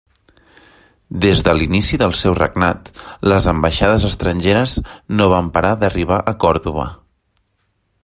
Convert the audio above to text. Des de l'inici del seu regnat, les ambaixades estrangeres no van parar d'arribar a Còrdova.